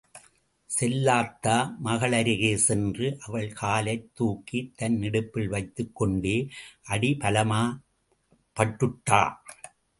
செல்லாத்தா மகளருகே சென்று அவள் காலைத் தூக்கி தன் இடுப்பில் வைத்துக் கொண்டே, அடி பலமாப் பட்டுட்டா..?